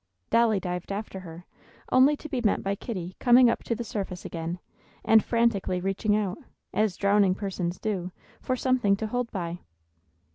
Dolly dived after her, only to be met by Kitty coming up to the surface again, and frantically reaching out, as drowning persons do, for something to hold by.